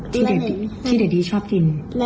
ที่เด็ดดีชอบกิน